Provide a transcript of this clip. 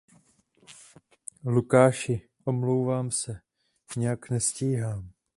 Lukáši, omlouvám se, nějak nestíhám.